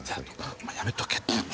お前やめとけってもう。